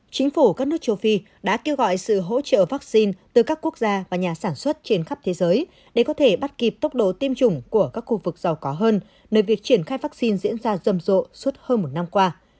chính phủ các nước châu phi đã kêu gọi sự hỗ trợ vaccine từ các quốc gia và nhà sản xuất trên khắp thế giới để có thể bắt kịp tốc độ tiêm chủng của các khu vực giàu có hơn nơi việc triển khai vaccine diễn ra rầm rộ suốt hơn một năm qua